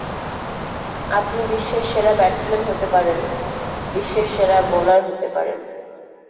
আপনি বিশ্বের সেরা ব্যাটসম্যান হতে পারেন, বিশ্বের সেরা বোলার হতে পারেন।